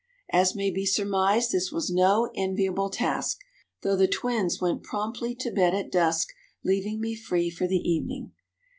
As may be surmised this was no enviable task, though the twins went promptly to bed at dusk leaving me free for the evening.